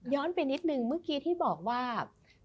ไปนิดนึงเมื่อกี้ที่บอกว่า